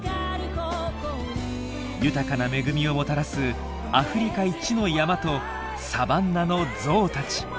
豊かな恵みをもたらすアフリカ一の山とサバンナのゾウたち。